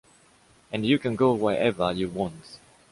And you can go wherever you want.